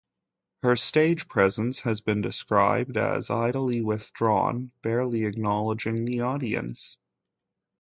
Her stage presence has been described as idly withdrawn, barely acknowledging the audience.